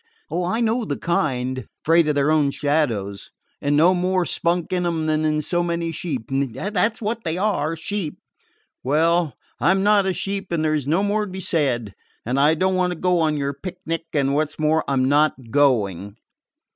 Oh, I know the kind afraid of their own shadows, and no more spunk in them than in so many sheep. That 's what they are sheep. Well, I 'm not a sheep, and there 's no more to be said. And I don't want to go on your picnic, and, what 's more, I 'm not going."